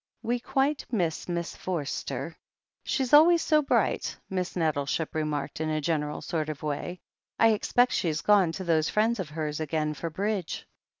"We quite miss Miss Forster; she's always so bright," Miss Nettleship remarked in a general sort of way. "I expect she's gone to those friends of hers again, for Bridge."